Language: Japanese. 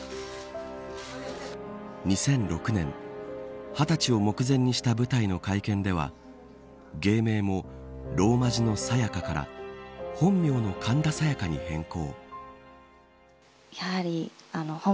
２００６年２０歳を目前にした舞台の会見では芸名もローマ字のＳＡＹＡＫＡから本名の神田沙也加に変更。